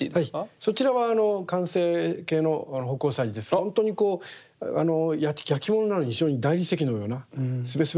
そちらは完成形の葆光彩磁ですけどほんとにこうやきものなのに非常に大理石のようなすべすべっとした。